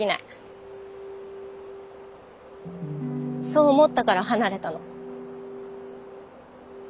そう思ったから離れたの。